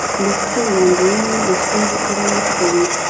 دقیقې وړاندوینې له ستونزو سره مخ کوي.